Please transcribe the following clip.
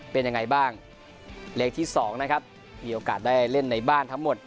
เป็นยังไงบ้างเลขที่สองนะครับมีโอกาสได้เล่นในบ้านทั้งหมด